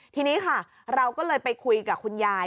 ทีนี้ค่ะเราก็เลยไปคุยกับคุณยาย